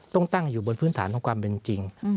ต้องตั้งอยู่บนพื้นฐานของความเป็นจริง